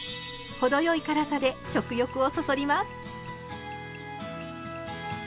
程よい辛さで食欲をそそります。